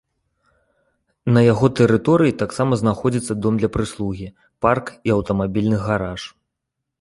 На яго тэрыторыі таксама знаходзіцца дом для прыслугі, парк і аўтамабільны гараж.